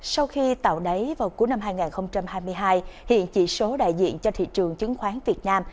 sau khi tạo đáy vào cuối năm hai nghìn hai mươi hai hiện chỉ số đại diện cho thị trường chứng khoán việt nam